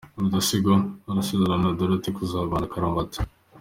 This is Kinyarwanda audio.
Rudasingwa asezerana na Dorothy kuzabana akaramata